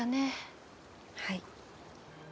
はい。